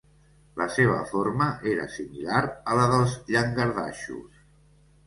La seva forma era similar a la dels llangardaixos.